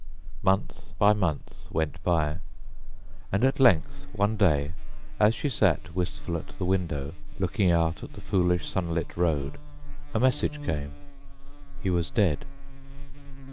Month by month went by, and at length one day, as she sat wistful at the window, looking out at the foolish sunlit road, a message came. He was dead.